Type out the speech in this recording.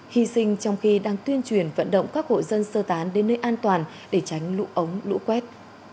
hy sinh trong khi đang tuyên truyền vận động các hộ dân sơ tán đến nơi an toàn để tránh lũ ống lũ quét